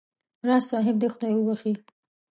راز صاحب دې خدای وبخښي.